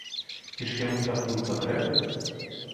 Ці ж яму такую патрэбна?